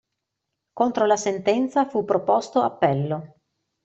Contro la sentenza fu proposto appello.